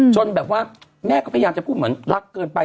แบบว่าแม่ก็พยายามจะพูดเหมือนรักเกินไป